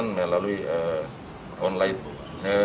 kondisi kediamannya yang diberikan melalui online